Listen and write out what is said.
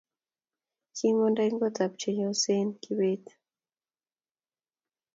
kimanda eng kotap chenyosenyii Kibet